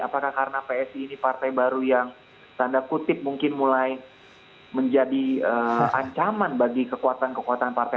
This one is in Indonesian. apakah karena psi ini partai baru yang tanda kutip mungkin mulai menjadi ancaman bagi kekuatan kekuatan partai